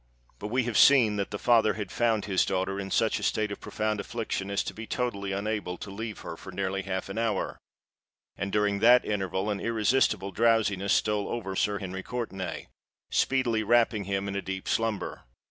But we have seen that the father had found his daughter in such a state of profound affliction as to be totally unable to leave her for nearly half an hour; and during that interval an irresistible drowsiness stole over Sir Henry Courtenay,—speedily wrapping him in a deep slumber.